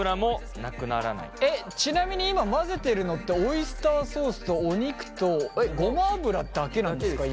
えっちなみに今混ぜてるのってオイスターソースとお肉とごま油だけなんですか？